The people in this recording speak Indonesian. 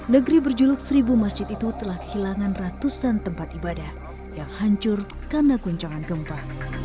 negeri berjuluk seribu masjid itu telah kehilangan ratusan tempat ibadah yang hancur karena guncangan gempa